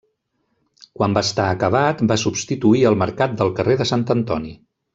Quan va estar acabat va substituir el mercat del carrer de Sant Antoni.